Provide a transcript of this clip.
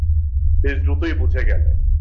বেশ দ্রুতই বুঝে গেলে।